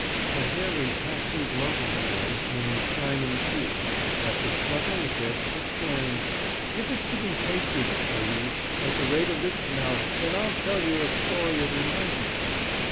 A hairy, tattooed lump of a man, named Simon Toole, after snuffling a bit, exclaimed: 'If it's to be pay soup, maties, at the rate of this smell, then I'll tell yer a story it reminds me of.